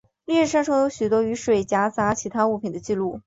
历史上曾有许多雨水夹杂其他物品的记录。